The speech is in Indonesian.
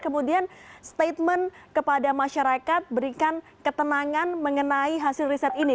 kemudian statement kepada masyarakat berikan ketenangan mengenai hasil riset ini